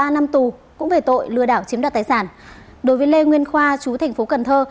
ba năm tù cũng về tội lừa đảo chiếm đoạt tài sản đối với lê nguyên khoa chú thành phố cần thơ